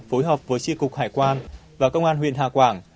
phối hợp với tri cục hải quan và công an huyện hà quảng